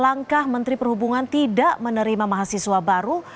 langkah menteri perhubungan tidak menerima mahasiswa baru